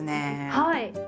はい。